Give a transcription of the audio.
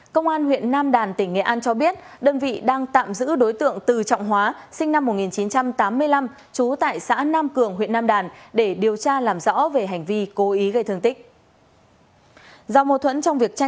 công an huyện nam đàn tỉnh nghệ an cho biết đơn vị đang tạm giữ đối tượng từ trọng hóa sinh năm một nghìn chín trăm tám mươi năm trú tại xã nam cường huyện nam đàn để điều tra làm rõ về hành vi cố ý gây thương tích